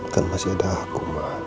kan masih ada aku